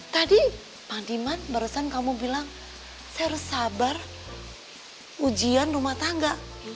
tadi pak diman barusan kamu bilang saya harus sabar ujian rumah tangga